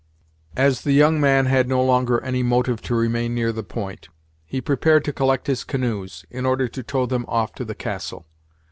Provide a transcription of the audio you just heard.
As the young man had no longer any motive to remain near the point, he prepared to collect his canoes, in order to tow them off to the castle.